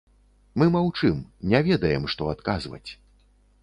Мы маўчым, не ведаем, што адказваць.